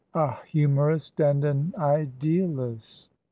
A HUMOURIST AND AN IDEALIST.